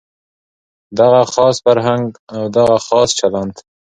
دغه خاص فرهنګ او دغه خاص چلند.